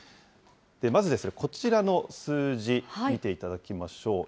まずですね、こちらの数字見ていただきましょう。